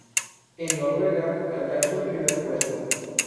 En Noruega alcanzó el primer puesto.